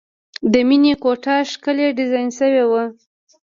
د مینې کوټه ښکلې ډیزاین شوې وه